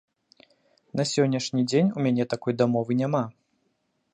На сённяшні дзень у мяне такой дамовы няма.